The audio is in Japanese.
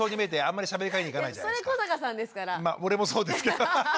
ま俺もそうですけど。